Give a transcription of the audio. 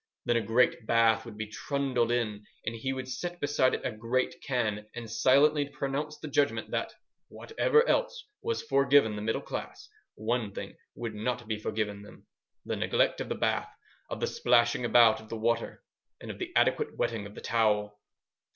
Then a great bath would be trundled in, and he would set beside it a great can, and silently pronounce the judgment that, whatever else was forgiven the middle class, one thing would not be forgiven them—the neglect of the bath, of the splashing about of the water, and of the adequate wetting of the towel.